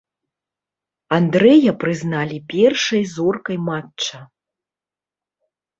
Андрэя прызналі першай зоркай матча.